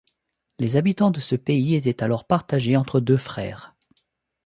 Les habitants de ce pays étaient alors partagés entre deux frères.